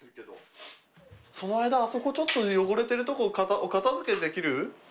その間あそこちょっと汚れてるところお片づけできる？